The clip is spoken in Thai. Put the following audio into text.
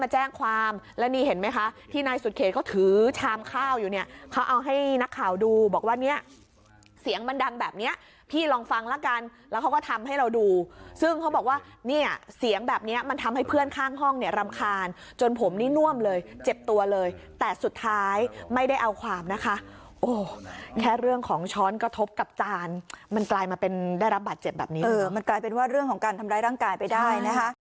ให้นักข่าวดูบอกว่าเนี่ยเสียงมันดังแบบนี้พี่ลองฟังละกันแล้วเขาก็ทำให้เราดูซึ่งเขาบอกว่าเนี่ยเสียงแบบนี้มันทำให้เพื่อนข้างห้องเนี่ยรำคาญจนผมนี่น่วมเลยเจ็บตัวเลยแต่สุดท้ายไม่ได้เอาความนะคะแค่เรื่องของช้อนกระทบกับจานมันกลายมาเป็นได้รับบัตรเจ็บแบบนี้มันกลายเป็นว่าเรื่องของการทำร้ายร่างกายไป